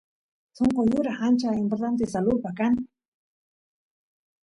sonqo yuraq ancha importanta salurpa kan